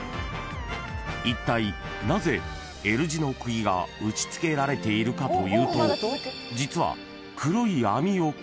［いったいなぜＬ字の釘が打ち付けられているかというと実は］